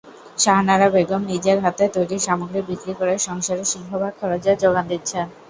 শাহানারা বেগম নিজের হাতে তৈরি সামগ্রী বিক্রি করে সংসারের সিংহভাগ খরচের জোগান দিচ্ছেন।